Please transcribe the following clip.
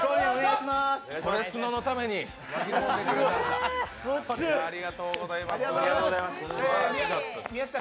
「それスノ」のために仕込んでくれました。